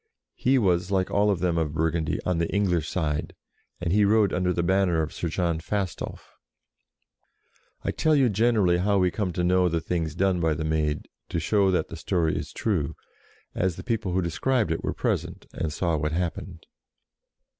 He was, like all of them of Burgundy, on the English side, and he rode under the banner of Sir John Fastolf. I tell you generally how we come to know the things done by the Maid, to show that the story is true, as the people who described it were present, and saw what happened.